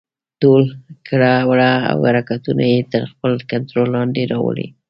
ټول کړه وړه او حرکتونه يې تر خپل کنټرول لاندې راولي.